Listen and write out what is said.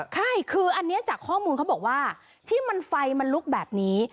ใช่คืออันนี้จากข้อมูลเขาบอกว่าที่มันไฟมันลุกแบบนี้